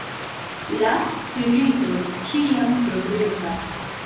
La Spiritoj ĉiam progresas.